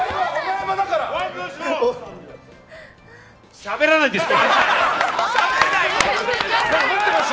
しゃべらないんですか！